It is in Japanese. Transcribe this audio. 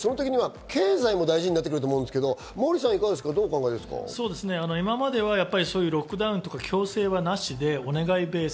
経済も大事になってくると思うんですけど、モーリーさん、どうお今まではロックダウンとか、強制はなしでお願いベース。